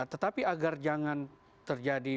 tetapi agar jangan terjadi